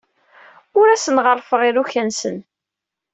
Ur asen-ɣerrfeɣ iruka-nsen.